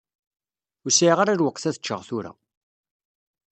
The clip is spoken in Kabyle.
Ur sɛiɣ ara lweqt ad ččeɣ tura.